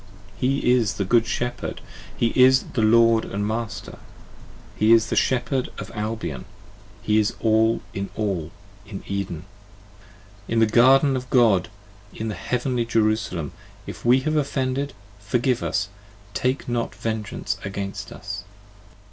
He is the Good shepherd, he is the Lord and master: He is the Shepherd of Albion, he is all in all, 25 In Eden: in the garden of God: and in heavenly Jerusalem. If we have offended, forgive us, take not vengeance against us.